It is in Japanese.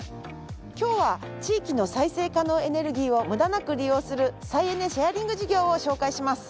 今日は地域の再生可能エネルギーを無駄なく利用する再エネシェアリング事業を紹介します。